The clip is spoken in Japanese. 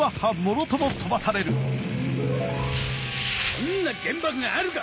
こんな原爆があるか！